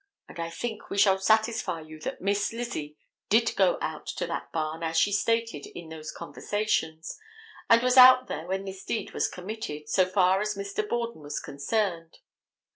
And I think we shall satisfy you that Miss Lizzie did go out to that barn, as she stated in those conversations, and was out there when this deed was committed, so far as Mr. Borden was concerned.